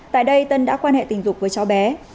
tại đây tân đã quan hệ tình dục với cháu bé